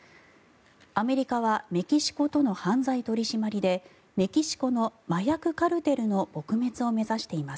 アメリカはメキシコとの犯罪取り締まりでメキシコの麻薬カルテルの撲滅を目指しています。